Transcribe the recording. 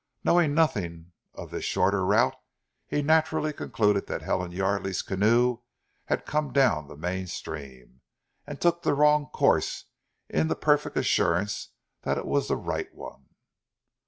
Knowing nothing of this shorter route he naturally concluded that Helen Yardely's canoe had come down the main stream, and took the wrong course in the perfect assurance that it was the right one.